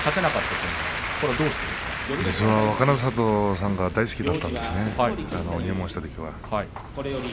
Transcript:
私は若の里さんが大好きだったんですね、入門したときは。